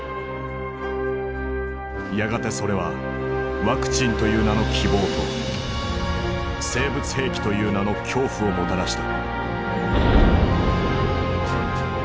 やがてそれはワクチンという名の希望と生物兵器という名の恐怖をもたらした。